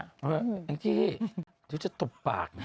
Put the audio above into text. เฮ่ยอย่างนี้ดูจะตบปาก